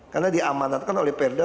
karena diamanatkan oleh perda